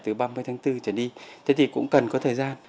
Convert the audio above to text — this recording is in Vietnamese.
trứng lại từ ba mươi tháng bốn trở đi thế thì cũng cần có thời gian